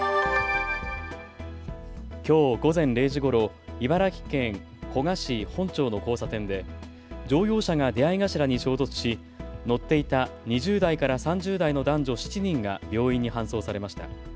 きょう午前０時ごろ、茨城県古河市本町の交差点で乗用車が出合い頭に衝突し乗っていた２０代から３０代の男女７人が病院に搬送されました。